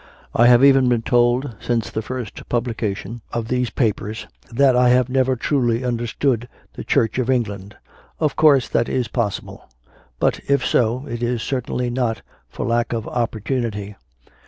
I have even been told, since the first publication of these papers, that I have never truly understood the Church of Eng land. Of course that is possible; but, if so, it is certainly not for lack of opportunity.